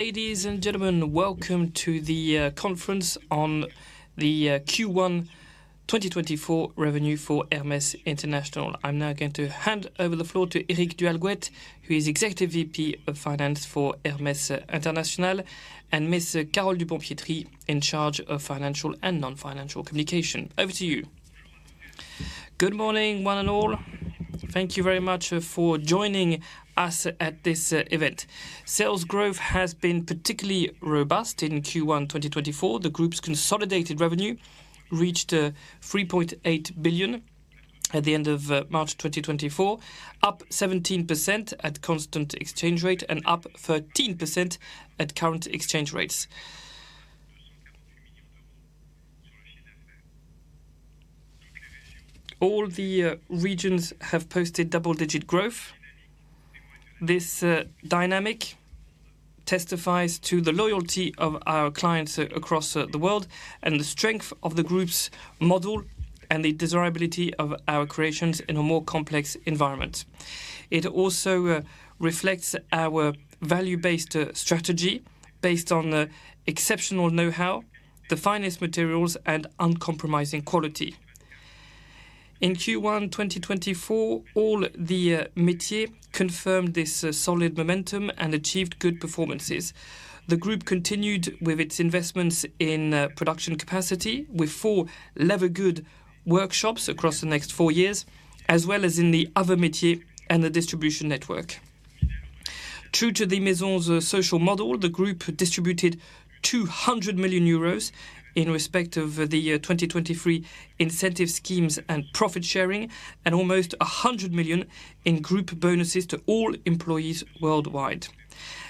Ladies and gentlemen, welcome to the conference on the Q1 2024 revenue for Hermès International. I'm now going to hand over the floor to Éric du Halgouët, who is Executive VP of Finance for Hermès International, and Ms. Carole Dupont-Pietri, in charge of financial and non-financial communication. Over to you. Good morning, one and all. Thank you very much for joining us at this event. Sales growth has been particularly robust in Q1 2024. The group's consolidated revenue reached 3.8 billion at the end of March 2024, up 17% at constant exchange rate and up 13% at current exchange rates. All the regions have posted double-digit growth. This dynamic testifies to the loyalty of our clients across the world and the strength of the group's model and the desirability of our creations in a more complex environment. It also reflects our value-based strategy based on exceptional know-how, the finest materials, and uncompromising quality. In Q1 2024, all the métiers confirmed this solid momentum and achieved good performances. The group continued with its investments in production capacity with four leather goods workshops across the next four years, as well as in the other métiers and the distribution network. True to the Maison's social model, the group distributed 200 million euros in respect of the 2023 incentive schemes and profit sharing, and almost 100 million in group bonuses to all employees worldwide.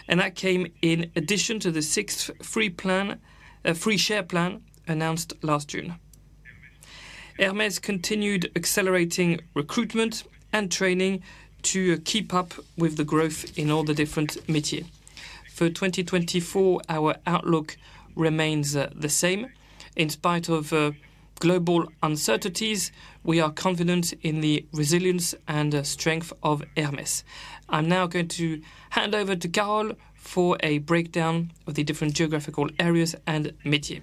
And that came in addition to the sixth free share plan announced last June. Hermès continued accelerating recruitment and training to keep up with the growth in all the different métiers. For 2024, our outlook remains the same. In spite of global uncertainties, we are confident in the resilience and strength of Hermès. I'm now going to hand over to Carole for a breakdown of the different geographical areas and métiers.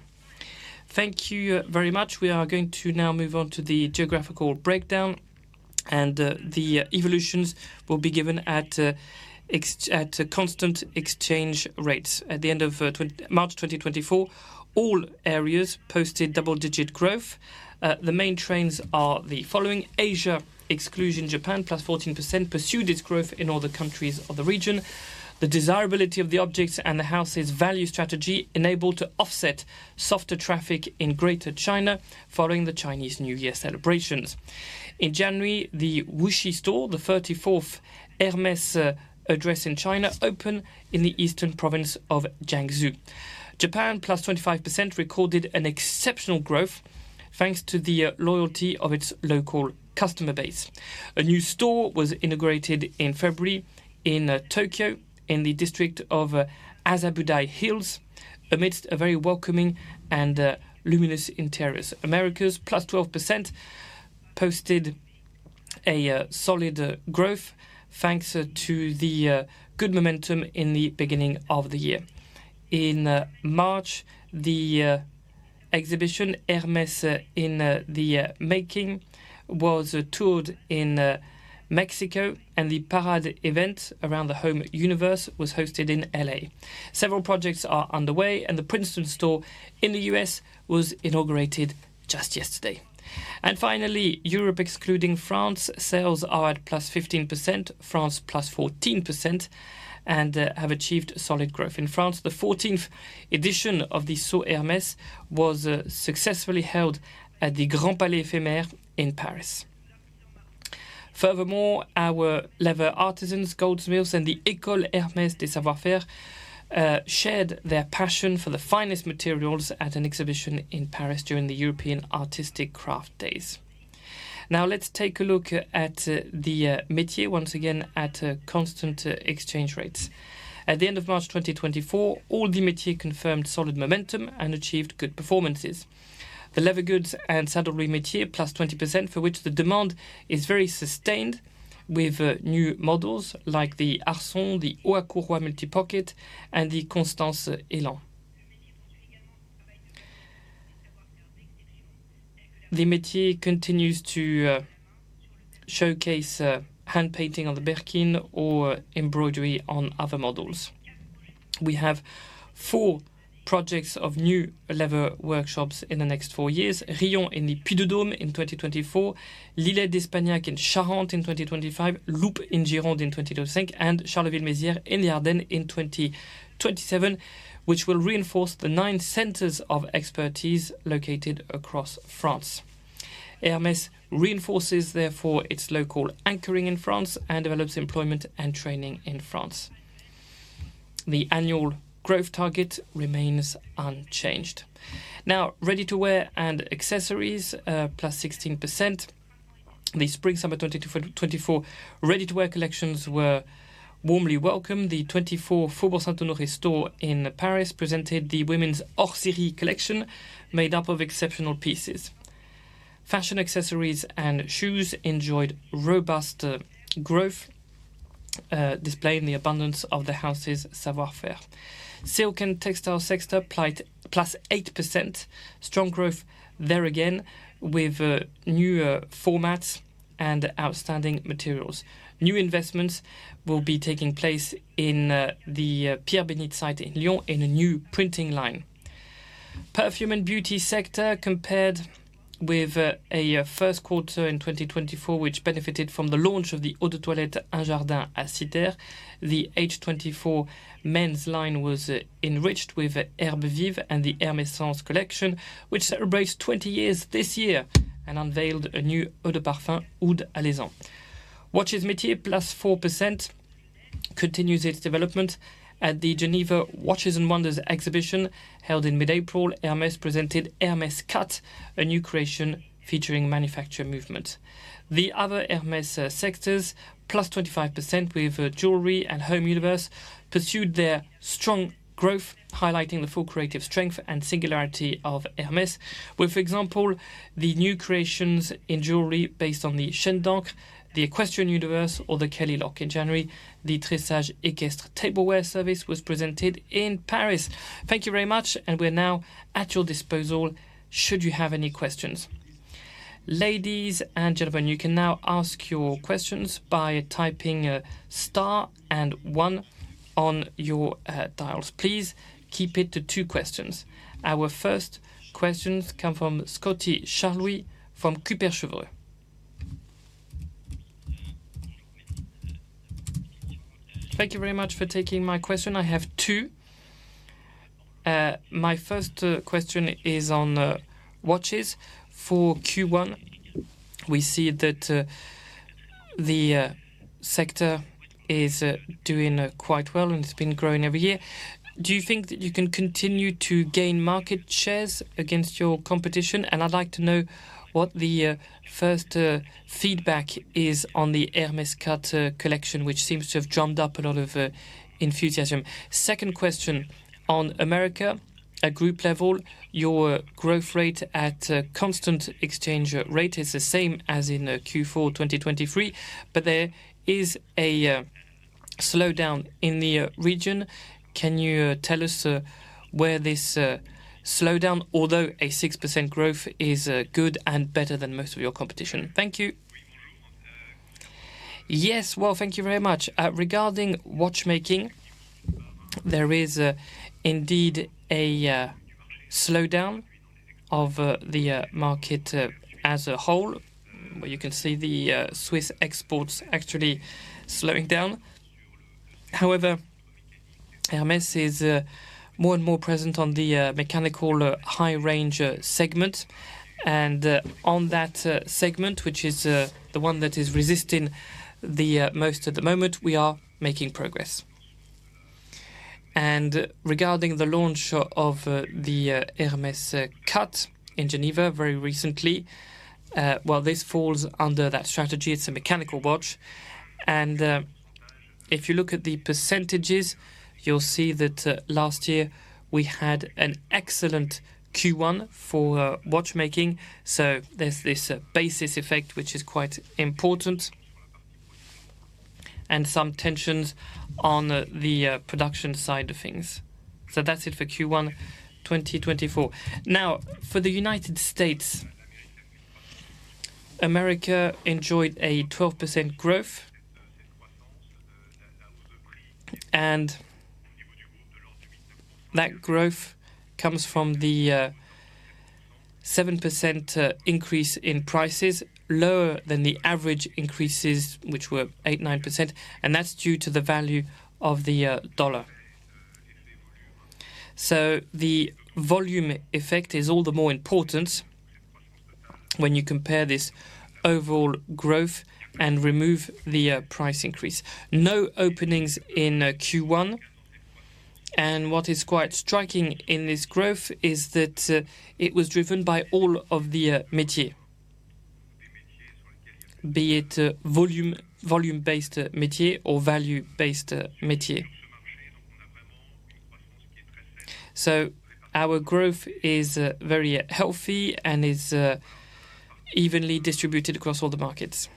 Thank you very much. We are going to now move on to the geographical breakdown, and the evolutions will be given at constant exchange rates. At the end of March 2024, all areas posted double-digit growth. The main trends are the following: Asia ex-Japan +14% pursued its growth in all the countries of the region. The desirability of the objects and the house's value strategy enabled to offset softer traffic in Greater China following the Chinese New Year celebrations. In January, the Wuxi Store, the 34th Hermès address in China, opened in the eastern province of Jiangsu. Japan +25% recorded an exceptional growth thanks to the loyalty of its local customer base. A new store was integrated in February in Tokyo in the district of Azabudai Hills amidst a very welcoming and luminous interior. Americas +12% posted a solid growth thanks to the good momentum in the beginning of the year. In March, the exhibition "Hermès in the Making" was toured in Mexico, and the parade event around the home universe was hosted in L.A. Several projects are underway, and the Princeton store in the US was inaugurated just yesterday. Finally, Europe excluding France, sales are at +15%. France +14% and have achieved solid growth. In France, the 14th edition of the Saut Hermès was successfully held at the Grand Palais Éphémère in Paris. Furthermore, our leather artisans, goldsmiths, and the L'École Hermès des Savoirs-Faire shared their passion for the finest materials at an exhibition in Paris during the European Artistic Craft Days. Now, let's take a look at the métiers once again at constant exchange rates. At the end of March 2024, all the métiers confirmed solid momentum and achieved good performances. The Leather Goods and Saddlery Métiers +20%, for which the demand is very sustained with new models like the Arçon, the Haut à Courroies Multipocket, and the Constance Élan. The métiers continues to showcase hand painting on the Birkin or embroidery on other models. We have four projects of new leather workshops in the next four years: Riom in the Puy-de-Dôme in 2024, L'Isle-d'Espagnac in Charente in 2025, Loupe in Gironde in 2025, and Charleville-Mézières in the Ardennes in 2027, which will reinforce the nine centers of expertise located across France. Hermès reinforces, therefore, its local anchoring in France and develops employment and training in France. The annual growth target remains unchanged. Now, ready-to-wear and accessories +16%. The spring-summer 2024 ready-to-wear collections were warmly welcomed. The 24 Faubourg Saint-Honoré store in Paris presented the women's Hors-Série collection made up of exceptional pieces. Fashion accessories and shoes enjoyed robust growth, displaying the abundance of the house's savoir-faire. Silk and textile sector +8%. Strong growth there again with new formats and outstanding materials. New investments will be taking place in the Pierre-Bénite site in Lyon in a new printing line. Perfume and beauty sector compared with a first quarter in 2024, which benefited from the launch of the Eau de Toilette Un Jardin à Cythère. The H24 men's line was enriched with Herbes Vives and the Hermessence collection, which celebrates 20 years this year and unveiled a new Eau de Parfum Oud Alezan. Watches métier +4% continues its development. At the Geneva Watches and Wonders exhibition held in mid-April, Hermès presented Hermès Cut, a new creation featuring manufacture movement. The other Hermès sectors +25% with jewelry and home universe pursued their strong growth, highlighting the full creative strength and singularity of Hermès. For example, the new creations in jewelry based on the Chaîne d'ancre, the Equestrian Universe, or the Kelly Lock in January. The Tressage Équestre Tableware Service was presented in Paris. Thank you very much, and we are now at your disposal should you have any questions. Ladies and gentlemen, you can now ask your questions by typing star and one on your dials. Please keep it to two questions. Our first questions come from Charles-Louis Scotti from Kepler Cheuvreux. Thank you very much for taking my question. I have two. My first question is on watches. For Q1, we see that the sector is doing quite well, and it's been growing every year. Do you think that you can continue to gain market shares against your competition? And I'd like to know what the first feedback is on the Hermès Cut collection, which seems to have drummed up a lot of enthusiasm. Second question: on America, at group level, your growth rate at constant exchange rate is the same as in Q4 2023, but there is a slowdown in the region. Can you tell us where this slowdown, although a 6% growth, is good and better than most of your competition? Thank you. Yes. Well, thank you very much. Regarding watchmaking, there is indeed a slowdown of the market as a whole, where you can see the Swiss exports actually slowing down. However, Hermès is more and more present on the mechanical high-range segment. And on that segment, which is the one that is resisting the most at the moment, we are making progress. And regarding the launch of the Hermès Cut in Geneva very recently, well, this falls under that strategy. It's a mechanical watch. And if you look at the percentages, you'll see that last year we had an excellent Q1 for watchmaking. So there's this basis effect, which is quite important, and some tensions on the production side of things. So that's it for Q1 2024. Now, for the Americas, America enjoyed a 12% growth. And that growth comes from the 7% increase in prices, lower than the average increases, which were 8%-9%. And that's due to the value of the dollar. So the volume effect is all the more important when you compare this overall growth and remove the price increase. No openings in Q1. And what is quite striking in this growth is that it was driven by all of the métiers, be it volume-based métiers or value-based métiers. So our growth is very healthy and is evenly distributed across all the markets.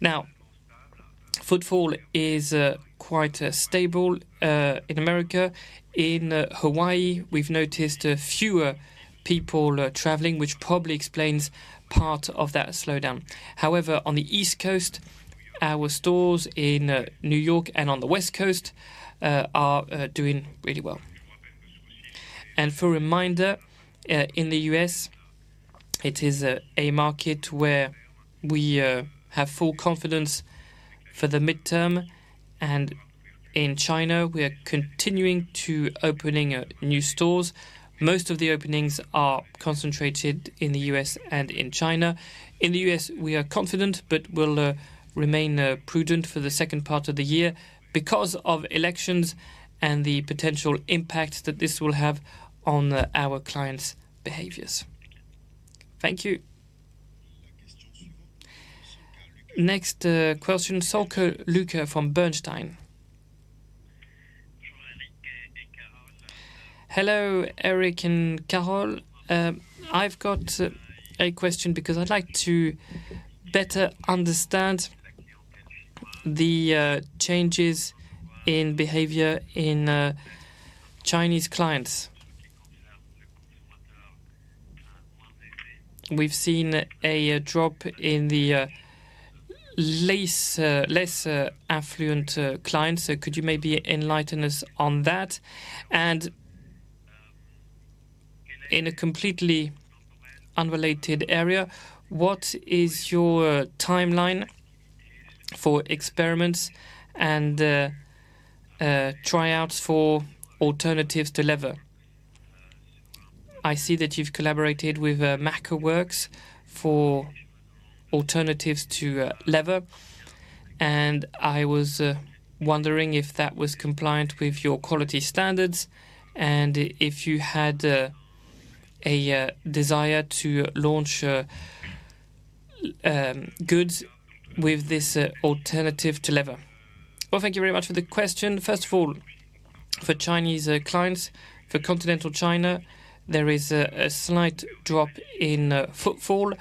Now, footfall is quite stable in America. In Hawaii, we've noticed fewer people traveling, which probably explains part of that slowdown. However, on the East Coast, our stores in New York and on the West Coast are doing really well. And for a reminder, in the U.S., it is a market where we have full confidence for the midterm. And in China, we are continuing to open new stores. Most of the openings are concentrated in the U.S. and in China. In the U.S., we are confident but will remain prudent for the second part of the year because of elections and the potential impact that this will have on our clients' behaviors. Thank you. Next question: Luca Solca from Bernstein. Hello, Éric and Carole. I've got a question because I'd like to better understand the changes in behavior in Chinese clients. We've seen a drop in the less affluent clients. Could you maybe enlighten us on that? And in a completely unrelated area, what is your timeline for experiments and tryouts for alternatives to leather? I see that you've collaborated with MycoWorks for alternatives to leather. And I was wondering if that was compliant with your quality standards and if you had a desire to launch goods with this alternative to leather. Well, thank you very much for the question. First of all, for Chinese clients, for continental China, there is a slight drop in footfall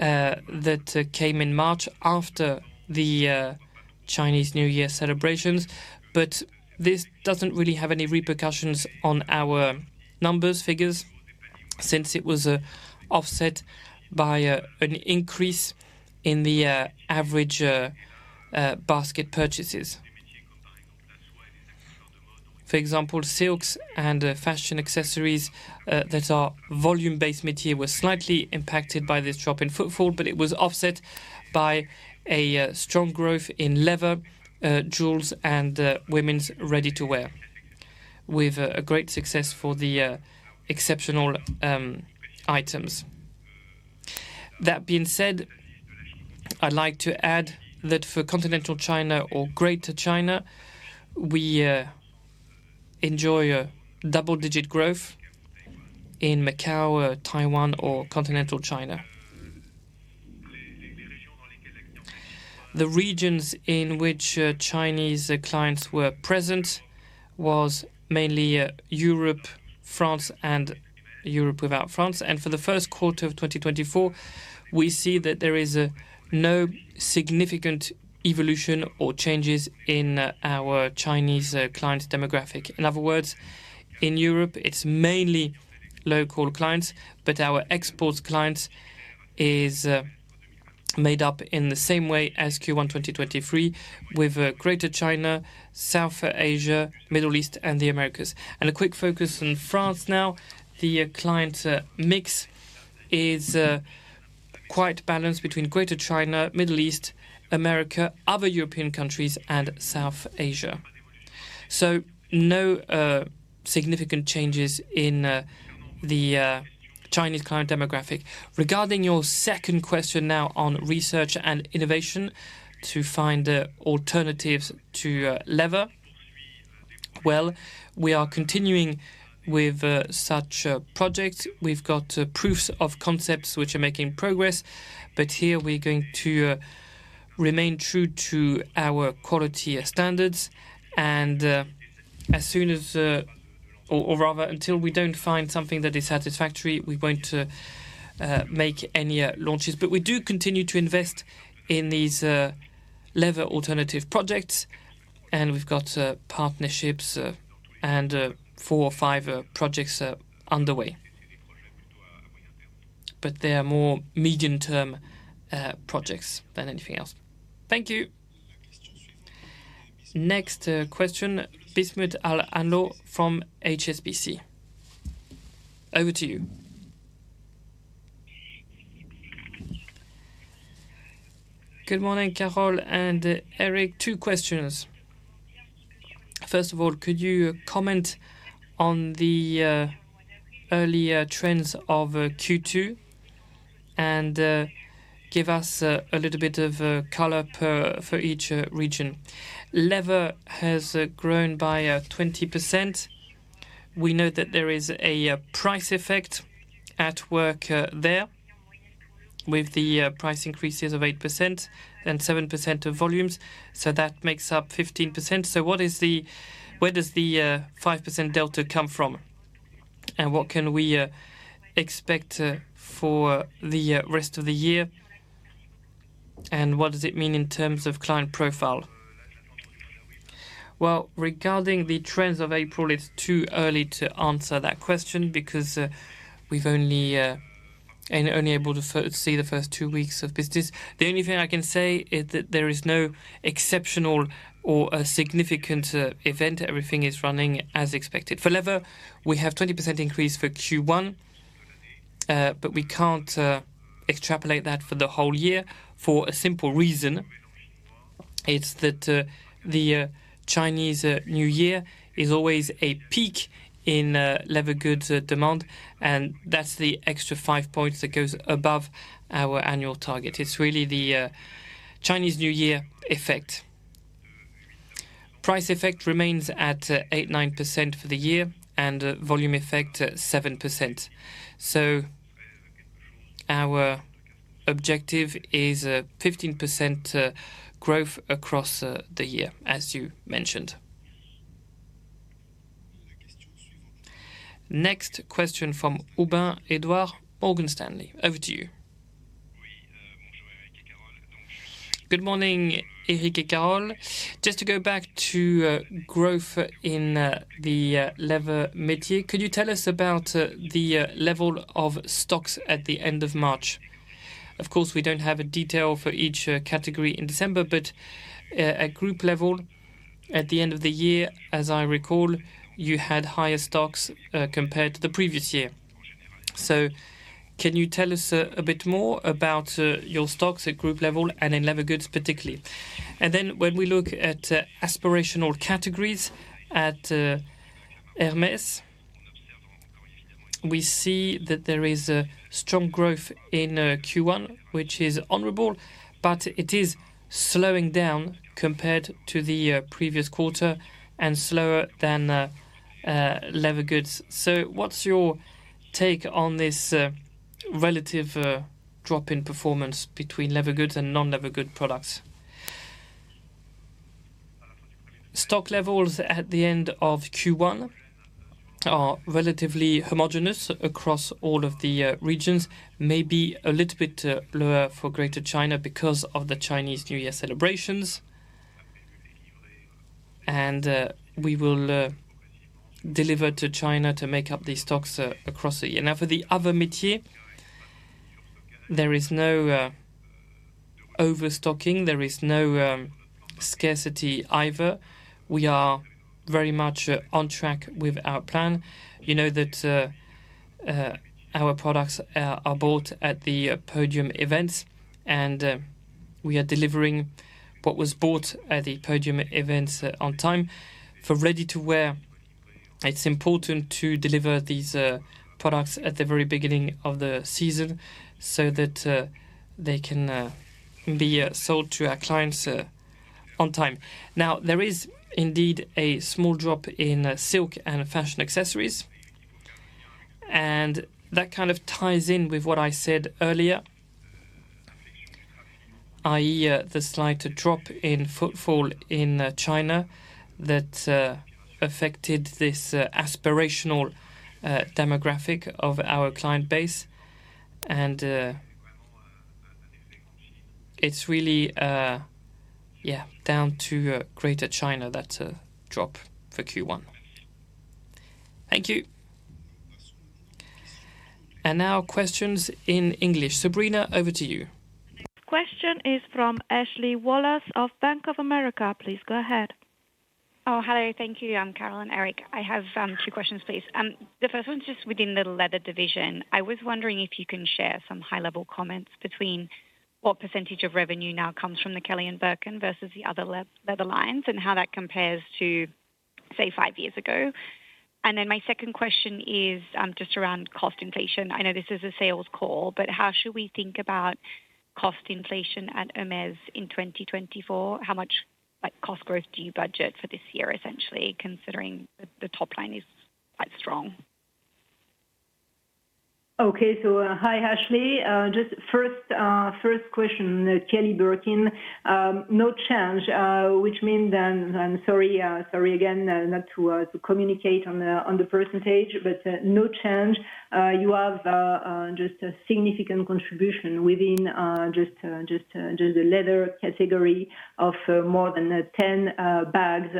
that came in March after the Chinese New Year celebrations. But this doesn't really have any repercussions on our numbers, figures, since it was offset by an increase in the average basket purchases. For example, silks and fashion accessories that are volume-based métiers were slightly impacted by this drop in footfall, but it was offset by a strong growth in leather goods and jewelry and women's ready-to-wear, with great success for the exceptional items. That being said, I'd like to add that for continental China or Greater China, we enjoy double-digit growth in Macau, Taiwan, or continental China. The regions in which Chinese clients were present were mainly Europe, France, and Europe without France. For the first quarter of 2024, we see that there is no significant evolution or changes in our Chinese clients' demographic. In other words, in Europe, it's mainly local clients, but our exports clients are made up in the same way as Q1 2023, with Greater China, South Asia, Middle East, and the Americas. A quick focus on France now. The client mix is quite balanced between Greater China, Middle East, Americas, other European countries, and South Asia. So no significant changes in the Chinese client demographic. Regarding your second question now on research and innovation to find alternatives to leather, well, we are continuing with such projects. We've got proofs of concepts which are making progress. But here, we're going to remain true to our quality standards. As soon as or rather, until we don't find something that is satisfactory, we won't make any launches. We do continue to invest in these leather alternative projects. We've got partnerships and 4 or 5 projects underway. They are more medium-term projects than anything else. Thank you. Next question: Anne-Laure Bismuth from HSBC. Over to you. Good morning, Carole and Éric. Two questions. First of all, could you comment on the early trends of Q2 and give us a little bit of color for each region? Leather has grown by 20%. We know that there is a price effect at work there with the price increases of 8% and 7% of volumes. So that makes up 15%. So where does the 5% delta come from? And what can we expect for the rest of the year? And what does it mean in terms of client profile? Well, regarding the trends of April, it's too early to answer that question because we've only been able to see the first two weeks of business. The only thing I can say is that there is no exceptional or significant event. Everything is running as expected. For Leather, we have 20% increase for Q1, but we can't extrapolate that for the whole year for a simple reason. It's that the Chinese New Year is always a peak in Leather Goods demand. And that's the extra 5 points that goes above our annual target. It's really the Chinese New Year effect. Price effect remains at 8%-9% for the year and volume effect 7%. So our objective is 15% growth across the year, as you mentioned. Next question from Edouard Aubin, Morgan Stanley. Over to you. Good morning, Éric and Carole. Just to go back to growth in the leather métiers, could you tell us about the level of stocks at the end of March? Of course, we don't have a detail for each category in December, but at group level, at the end of the year, as I recall, you had higher stocks compared to the previous year. So can you tell us a bit more about your stocks at group level and in leather goods particularly? And then when we look at aspirational categories at Hermès, we see that there is strong growth in Q1, which is honorable, but it is slowing down compared to the previous quarter and slower than leather goods. So what's your take on this relative drop in performance between leather goods and non-leather goods products? Stock levels at the end of Q1 are relatively homogeneous across all of the regions, maybe a little bit lower for Greater China because of the Chinese New Year celebrations. And we will deliver to China to make up these stocks across the year. Now, for the other métiers, there is no overstocking. There is no scarcity either. We are very much on track with our plan. You know that our products are bought at the podium events. And we are delivering what was bought at the podium events on time. For ready-to-wear, it's important to deliver these products at the very beginning of the season so that they can be sold to our clients on time. Now, there is indeed a small drop in silk and fashion accessories. That kind of ties in with what I said earlier, i.e., the slight drop in footfall in China that affected this aspirational demographic of our client base. It's really, yeah, down to Greater China, that drop for Q1. Thank you. Now questions in English. Sabrina, over to you. The next question is from Ashley Wallace of Bank of America. Please go ahead. Oh, hello. Thank you, Carole and Éric. I have two questions, please. The first one's just within the Leather division. I was wondering if you can share some high-level comments between what percentage of revenue now comes from the Kelly and Birkin versus the other Leather lines and how that compares to, say, five years ago. And then my second question is just around cost inflation. I know this is a sales call, but how should we think about cost inflation at Hermès in 2024? How much cost growth do you budget for this year, essentially, considering the top line is quite strong? Okay. So hi, Ashley. Just first question, Kelly Birkin. No change, which means then I'm sorry again not to communicate on the percentage, but no change. You have just a significant contribution within just the Leather category of more than 10 bags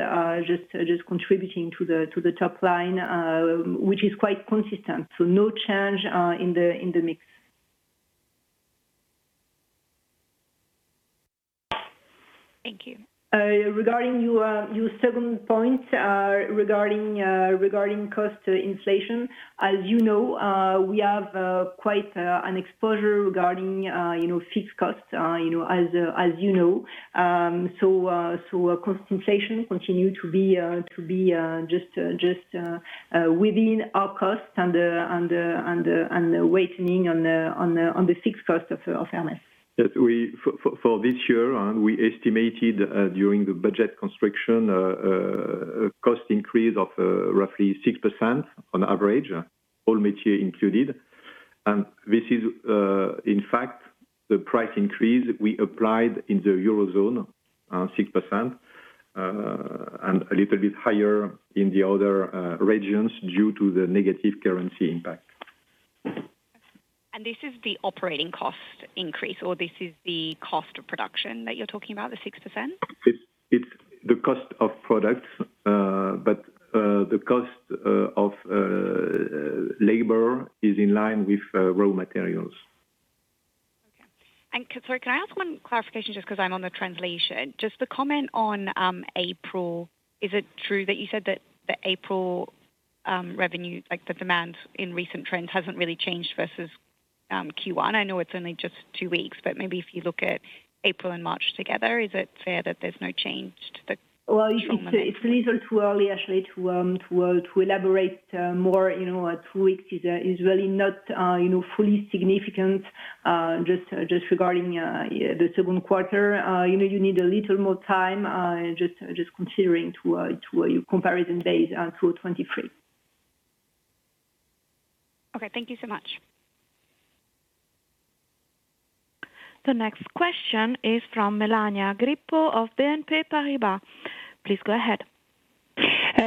just contributing to the top line, which is quite consistent. So no change in the mix. Thank you. Regarding your second point regarding cost inflation, as you know, we have quite an exposure regarding fixed costs, as you know. So cost inflation continues to be just within our costs and weighing on the fixed cost of Hermès. Yes. For this year, we estimated during the budget construction a cost increase of roughly 6% on average, all métiers included. And this is, in fact, the price increase we applied in the Eurozone, 6%, and a little bit higher in the other regions due to the negative currency impact. And this is the operating cost increase, or this is the cost of production that you're talking about, the 6%? It's the cost of products. But the cost of labor is in line with raw materials. Okay. And sorry, can I ask one clarification just because I'm on the translation? Just the comment on April, is it true that you said that the April revenue, the demand in recent trends, hasn't really changed versus Q1? I know it's only just two weeks, but maybe if you look at April and March together, is it fair that there's no change to the strong trend? Well, it's a little too early, actually, to elaborate more. Two weeks is really not fully significant just regarding the second quarter. You need a little more time just considering your comparison days to 2023. Okay. Thank you so much. The next question is from Melania Grippo of BNP Paribas. Please go ahead.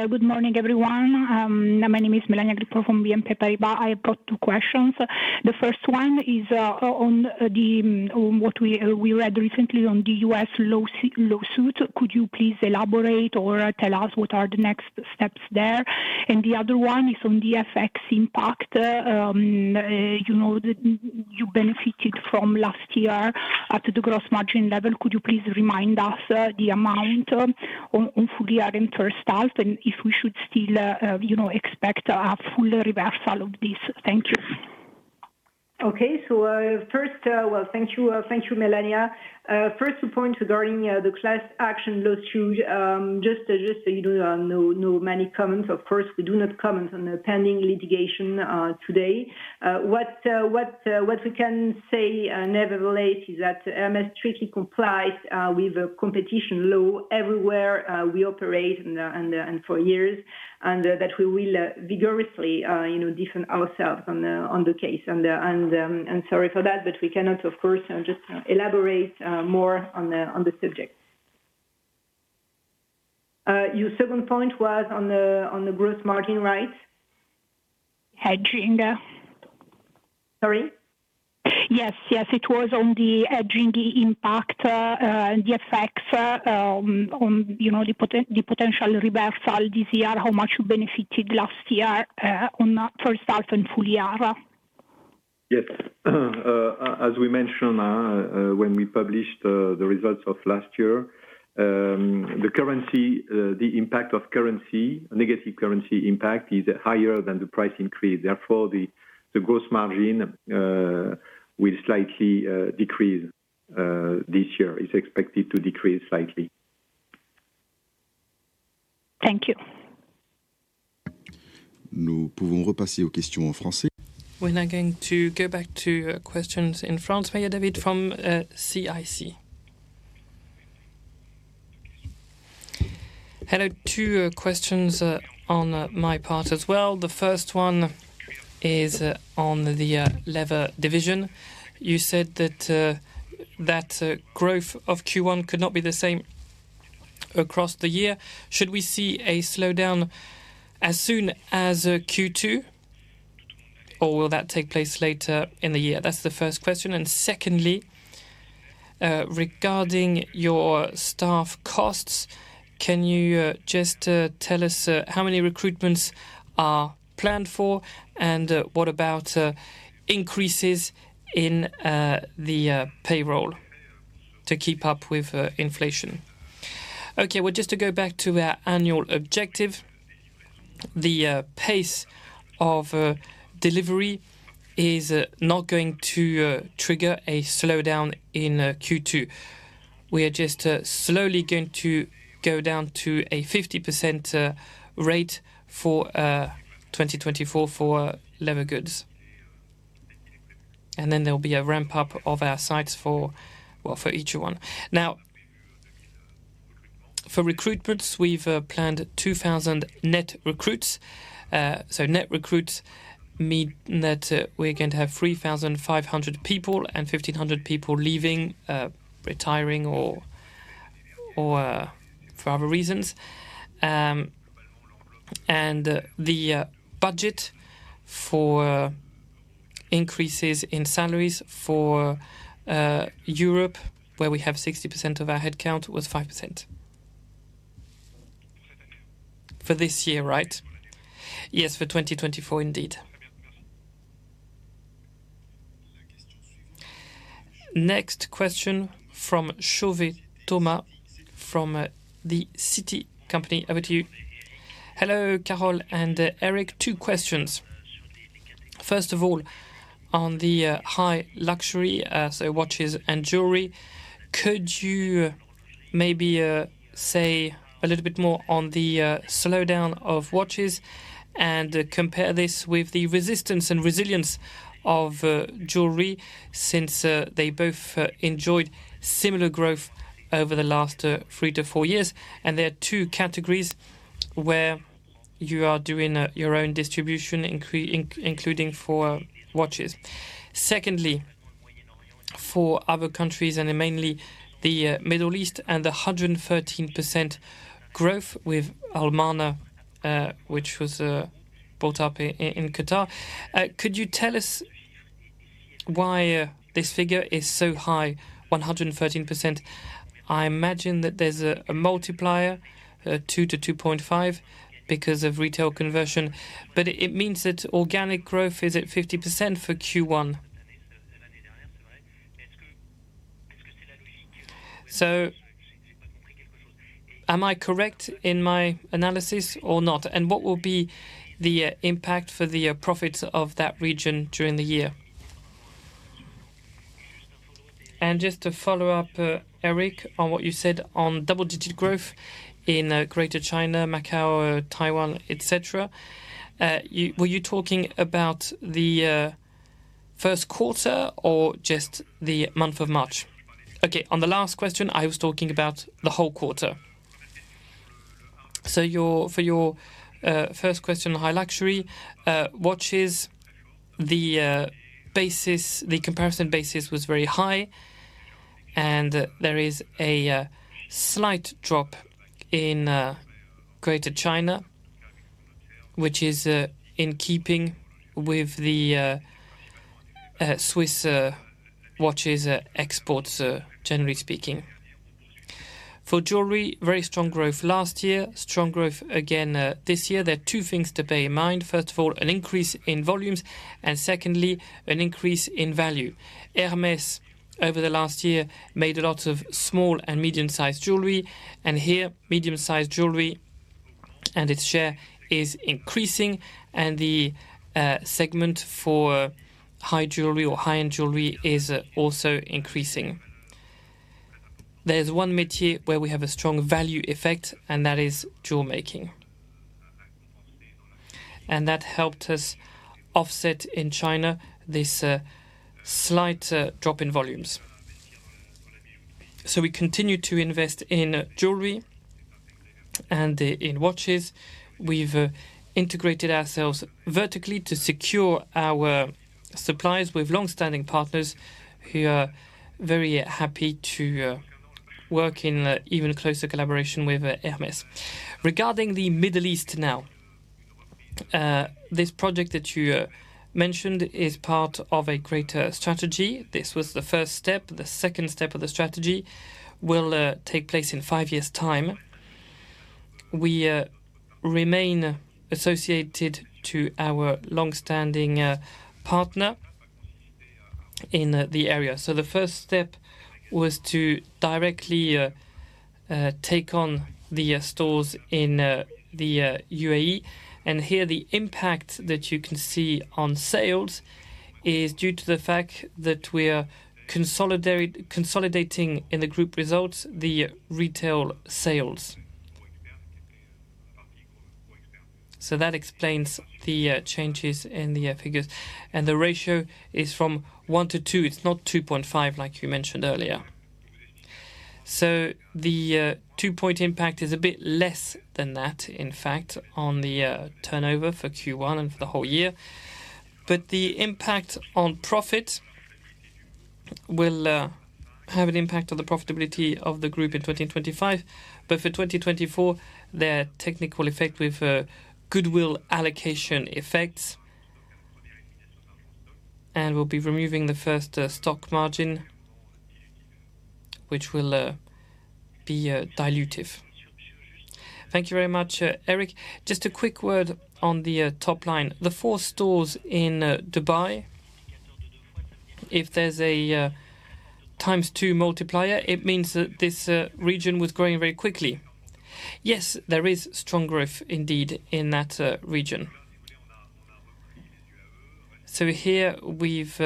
Good morning, everyone. My name is Melania Grippo from BNP Paribas. I have got two questions. The first one is on what we read recently on the U.S. lawsuit. Could you please elaborate or tell us what are the next steps there? And the other one is on the FX impact. You benefited from last year at the gross margin level. Could you please remind us the amount on full year and first half and if we should still expect a full reversal of this? Thank you. Okay. Well, thank you, Melania. First two points regarding the class action lawsuit. Just so you know, not many comments. Of course, we do not comment on the pending litigation today. What we can say nevertheless is that Hermès strictly complies with a competition law everywhere we operate and for years and that we will vigorously defend ourselves in the case. And sorry for that, but we cannot, of course, just elaborate more on the subject. Your second point was on the gross margins, right? Hedging? Sorry? Yes. Yes. It was on the hedging impact, the effects on the potential reversal this year, how much you benefited last year on first half and full year. Yes. As we mentioned when we published the results of last year, the impact of currency, negative currency impact, is higher than the price increase. Therefore, the gross margin will slightly decrease this year. It's expected to decrease slightly. Thank you. We're now going to go back to questions in France. May I have David from CIC? Hello. Two questions on my part as well. The first one is on the Leather division. You said that growth of Q1 could not be the same across the year. Should we see a slowdown as soon as Q2, or will that take place later in the year? That's the first question. And secondly, regarding your staff costs, can you just tell us how many recruitments are planned for and what about increases in the payroll to keep up with inflation? Okay. Well, just to go back to our annual objective, the pace of delivery is not going to trigger a slowdown in Q2. We are just slowly going to go down to a 50% rate for 2024 for Leather Goods. And then there'll be a ramp-up of our sites for each one. Now, for recruitments, we've planned 2,000 net recruits. So net recruits mean that we're going to have 3,500 people and 1,500 people leaving, retiring, or for other reasons. The budget for increases in salaries for Europe, where we have 60% of our headcount, was 5%. For this year, right? Yes, for 2024, indeed. Next question from Thomas Chauvet from Citi. Over to you. Hello, Carole and Éric. Two questions. First of all, on the high luxury, so watches and jewelry, could you maybe say a little bit more on the slowdown of watches and compare this with the resistance and resilience of jewelry since they both enjoyed similar growth over the last 3-4 years? And there are two categories where you are doing your own distribution, including for watches. Secondly, for other countries, and mainly the Middle East, and the 113% growth with Al Mana, which was brought up in Qatar, could you tell us why this figure is so high, 113%? I imagine that there's a multiplier, 2-2.5, because of retail conversion. But it means that organic growth is at 50% for Q1. So am I correct in my analysis or not? And what will be the impact for the profits of that region during the year? And just to follow up, Éric, on what you said on double-digit growth in Greater China, Macau, Taiwan, etc., were you talking about the first quarter or just the month of March? Okay. On the last question, I was talking about the whole quarter. So for your first question, high luxury, watches, the comparison basis was very high. There is a slight drop in Greater China, which is in keeping with the Swiss watches exports, generally speaking. For jewelry, very strong growth last year, strong growth again this year. There are two things to pay in mind. First of all, an increase in volumes. And secondly, an increase in value. Hermès, over the last year, made a lot of small and medium-sized jewelry. And here, medium-sized jewelry and its share is increasing. And the segment for high jewelry or high-end jewelry is also increasing. There's one métier where we have a strong value effect, and that is jewel making. And that helped us offset in China this slight drop in volumes. So we continue to invest in jewelry and in watches. We've integrated ourselves vertically to secure our supplies with longstanding partners who are very happy to work in even closer collaboration with Hermès. Regarding the Middle East now, this project that you mentioned is part of a greater strategy. This was the first step. The second step of the strategy will take place in five years' time. We remain associated to our longstanding partner in the area. So the first step was to directly take on the stores in the UAE. And here, the impact that you can see on sales is due to the fact that we're consolidating in the group results the retail sales. So that explains the changes in the figures. And the ratio is from 1 to 2. It's not 2.5, like you mentioned earlier. So the 2-point impact is a bit less than that, in fact, on the turnover for Q1 and for the whole year. But the impact on profit will have an impact on the profitability of the group in 2025. But for 2024, there technical effect with goodwill allocation effects. We'll be removing the first stock margin, which will be dilutive. Thank you very much, Éric. Just a quick word on the top line. The 4 stores in Dubai, if there's a times-2 multiplier, it means that this region was growing very quickly. Yes, there is strong growth, indeed, in that region. So here, we've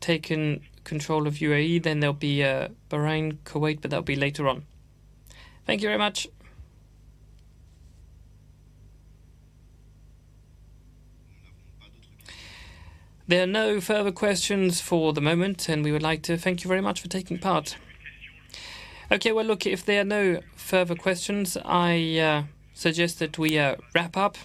taken control of UAE. Then there'll be Bahrain, Kuwait, but that'll be later on. Thank you very much. There are no further questions for the moment. We would like to thank you very much for taking part. Okay. Well, look, if there are no further questions, I suggest that we wrap up.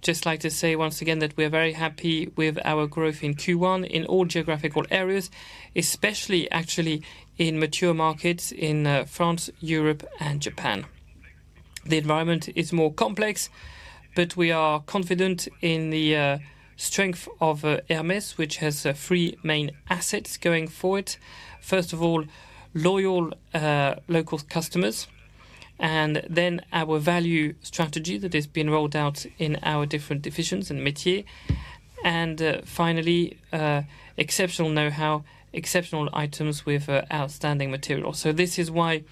Just like to say once again that we are very happy with our growth in Q1 in all geographical areas, especially, actually, in mature markets in France, Europe, and Japan. The environment is more complex, but we are confident in the strength of Hermès, which has three main assets going for it. First of all, loyal local customers. And then our value strategy that has been rolled out in our different divisions and métiers. And finally, exceptional know-how, exceptional items with outstanding material. So this is why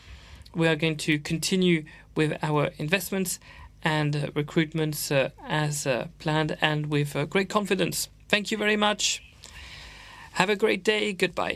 we are going to continue with our investments and recruitments as planned and with great confidence. Thank you very much. Have a great day. Goodbye.